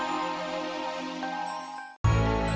kamu ke kampusnya